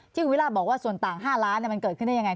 ที่คุณวิราชบอกว่าส่วนต่าง๕ล้านเนี่ยมันเกิดขึ้นได้ยังไง